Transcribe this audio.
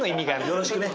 よろしくね。